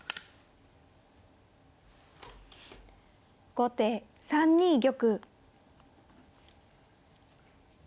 後手３二玉。